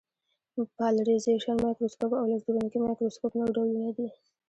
پالرېزېشن مایکروسکوپ او الکترونیکي مایکروسکوپ نور ډولونه دي.